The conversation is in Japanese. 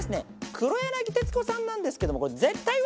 黒柳徹子さんなんですけども。